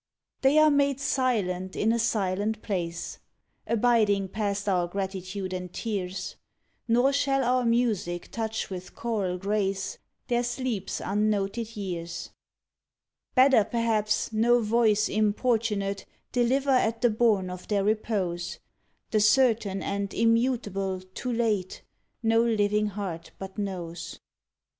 They are made silent in a silent place, Abiding past our gratitude and tears ; Nor shall our music touch with choral grace Their sleep s unnoted years. 46 TO AN OLD NURSE Better, perhaps, no voice importunate Deliver at the bourn of their repose The certain and immutable "Too late!" No living heart but knows.